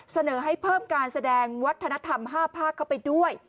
เสนอให้เพิ่มการแสดงวัฒนธรรม๕ภาคเข้าไปด้วย